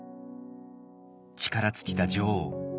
力尽きた女王。